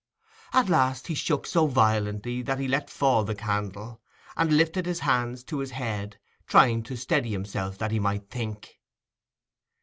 At last he shook so violently that he let fall the candle, and lifted his hands to his head, trying to steady himself, that he might think.